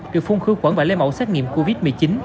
được phun khứa quẩn và lê mẫu xét nghiệm covid một mươi chín